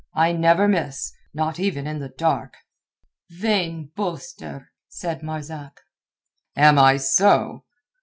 I never miss—not even in the dark." "Vain boaster," said Marzak. "Am I so?"